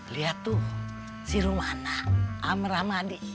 lihat tuh si rumana sama rahmadi